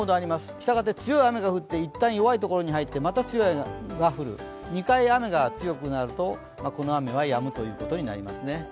従って強い雨が降って一旦弱いところに入って、また強く降る、２回、雨が強くなるとこの雨はやむということになりますね。